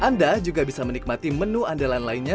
anda juga bisa menikmati menu andalan lainnya